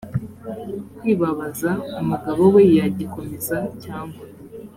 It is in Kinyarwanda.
kwibabaza umugabo we yagikomeza cyangwa